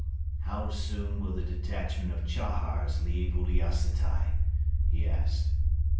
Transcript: "How soon will the detachment of Chahars leave Uliassutai?" he asked.